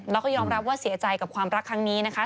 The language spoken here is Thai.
แล้วก็ยอมรับว่าเสียใจกับความรักครั้งนี้นะคะ